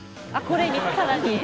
これにさらに？